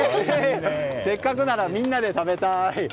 せっかくならみんなで食べたい！